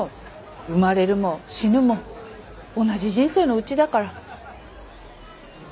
生まれるも死ぬも同じ人生のうちだから。